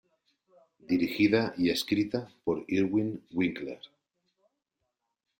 Dirigida y escrita por Irwin Winkler.